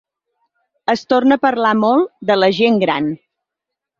Es torna a parlar molt de la gent gran.